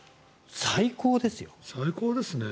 最高ですね。